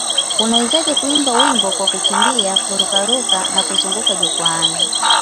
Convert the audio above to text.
Unawezaje kuimba wimbo kwa kukimbia, kururuka na kuzunguka jukwaani?